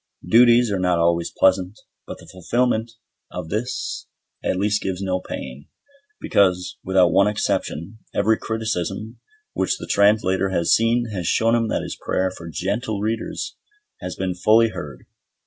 Duties are not always pleasant, but the fulfilment of this at least gives no pain; because, without one exception, every criticism which the Translator has seen has shown him that his prayer for "gentle" readers has been fully heard.